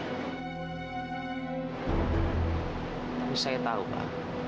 tapi saya tahu pak